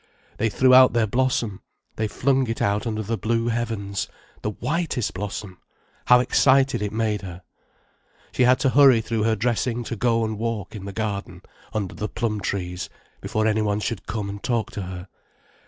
They threw out their blossom, they flung it out under the blue heavens, the whitest blossom! How excited it made her. She had to hurry through her dressing to go and walk in the garden under the plum trees, before anyone should come and talk to her.